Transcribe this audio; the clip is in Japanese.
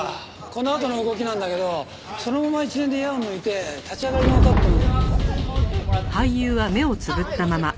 このあとの動きなんだけどそのまま一連で矢を抜いて立ち上がりのカットまで。